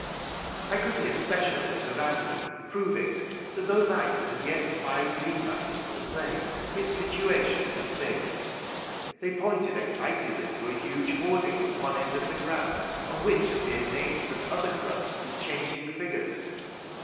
I could hear specialists around me proving that though Knype had yet five League matches to play, its situation was safe. They pointed excitedly to a huge hoarding at one end of the ground on which appeared names of other clubs with changing figures.